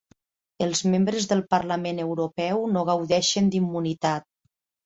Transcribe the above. Els membres del Parlament Europeu no gaudeixen d'immunitat